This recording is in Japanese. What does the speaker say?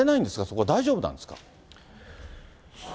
そこは、大丈夫なんですか？